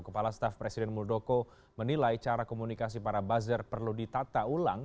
kepala staf presiden muldoko menilai cara komunikasi para buzzer perlu ditata ulang